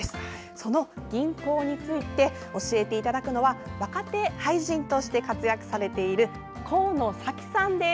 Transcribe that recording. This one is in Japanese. その吟行について教えていただくのは若手俳人として活躍されている神野紗希さんです。